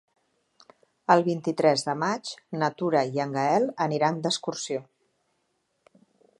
El vint-i-tres de maig na Tura i en Gaël aniran d'excursió.